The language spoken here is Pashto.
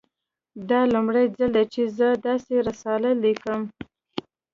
دا لومړی ځل دی چې زه داسې رساله لیکم